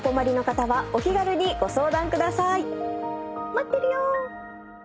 「待ってるよ」